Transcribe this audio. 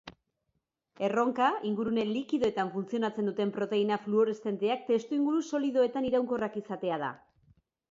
Erronka ingurune likidoetan funtzionatzen duten proteina fluoreszenteak testuinguru solidoetan iraunkorrak izatea da.